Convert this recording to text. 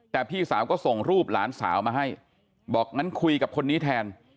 แต่พี่สาวก็ส่งรูปหลานสาวมาให้บอกงั้นคุยกับคนนี้แทน